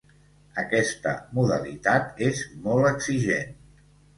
Aquesta modalitat és molt exigent.